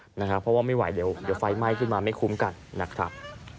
เพราะว่าไม่ไหวเดี๋ยวไฟไหม้ขึ้นมาไม่คุ้มกันนะครับ